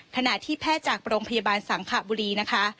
ขณะที่แพทย์จากโรงพยาบาลสังขบุรีนะคะ